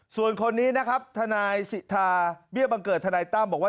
ส่วนคนนี้นะครับทนายสิทธาเบี้ยบังเกิดทนายตั้มบอกว่า